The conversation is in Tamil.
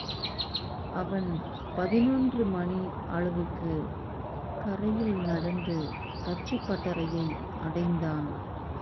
அவன் பதினொன்று மணி அளவுக்குக் கரையில் நடந்து, தச்சுப்பட்டறையை அடைந்தான்.